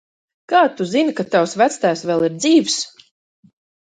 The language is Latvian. Kā tu zini, ka tavs vectēvs vēl ir dzīvs?